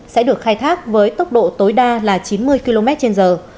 sẽ được khai thác với tốc độ tối đa là chín mươi km trên giờ